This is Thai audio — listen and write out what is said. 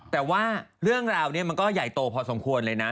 แต่ว่าเรื่องราวนี้มันก็ใหญ่โตพอสมควรเลยนะ